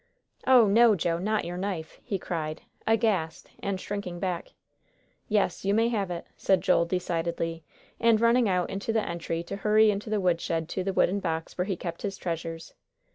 "Oh, no, Joe, not your knife!" he cried, aghast, and shrinking back. "Yes, you may have it," said Joel, decidedly, and running out into the entry to hurry into the woodshed to the wooden box where he kept his treasures.